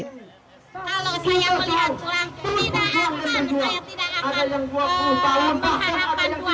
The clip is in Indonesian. kalau saya melihatlah tidak akan saya tidak akan mengharapkan dua ratus lima puluh satu